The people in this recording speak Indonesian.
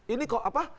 ini kok apa